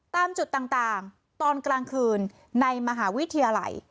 ตามจุดต่างตอนกลางคืนในมหาวิทยาลัย